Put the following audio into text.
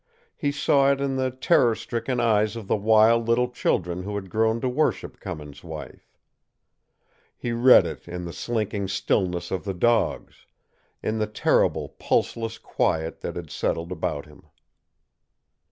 He saw it in the terror stricken eyes of the wild little children who had grown to worship Cummins' wife. He read it in the slinking stillness of the dogs, in the terrible, pulseless quiet that had settled about him.